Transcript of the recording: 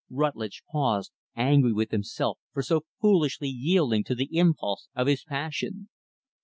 Rutlidge paused angry with himself for so foolishly yielding to the impulse of his passion.